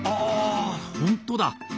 あほんとだ。